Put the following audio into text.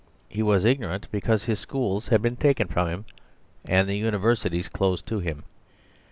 He was ignorant because his schools had been taken from him and the universities closed to him.